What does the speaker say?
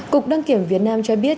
cục đăng kiểm việt nam cho biết